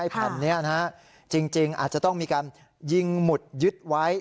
แผ่นนี้จริงอาจจะต้องมีการยิงหมุดยึดไว้